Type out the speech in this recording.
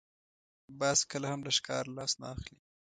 باز کله هم له ښکار لاس نه اخلي